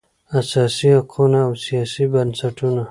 اساسي حقوق او سیاسي بنسټونه